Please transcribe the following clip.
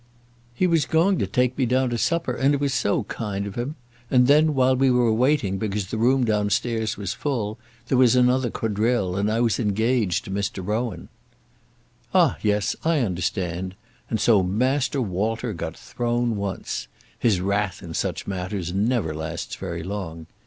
"He was going to take me down to supper, and it was so kind of him. And then while we were waiting because the room down stairs was full, there was another quadrille, and I was engaged to Mr. Rowan." "Ah, yes; I understand. And so Master Walter got thrown once. His wrath in such matters never lasts very long.